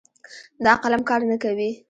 دا قلم کار نه کوي